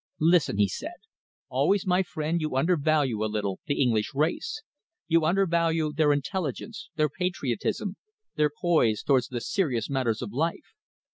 "Listen," he said, "always, my friend, you undervalue a little the English race. You undervalue their intelligence, their patriotism, their poise towards the serious matters of life.